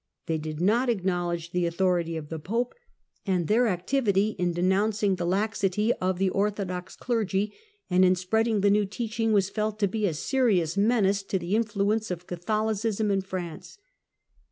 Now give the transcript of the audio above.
They did not acknowledge the authority of the Pope, and their activity in denouncing the laxity of the orthodox clergy and in spreading the new teaching was felt to be a serious menace to the influence of Catholicism in France.